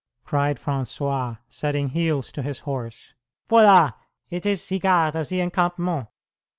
_" cried François, setting heels to his horse. "V'la! It is ze guard of ze encampment.